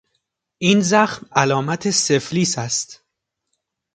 این زخم علامت سفلیس است.